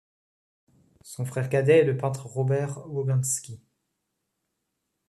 Son frère cadet est le peintre Robert Wogensky.